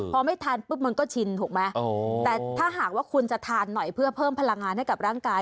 พอไม่ทานปุ๊บมันก็ชินถูกไหมแต่ถ้าหากว่าคุณจะทานหน่อยเพื่อเพิ่มพลังงานให้กับร่างกาย